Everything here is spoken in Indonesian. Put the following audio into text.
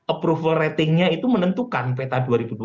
approval ratingnya itu menentukan peta dua ribu dua puluh